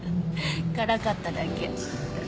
からかっただけ。